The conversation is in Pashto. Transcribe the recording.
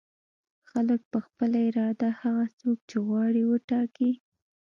خلک په خپله اراده هغه څوک چې غواړي وټاکي.